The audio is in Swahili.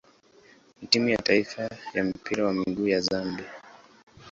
na timu ya taifa ya mpira wa miguu ya Zambia.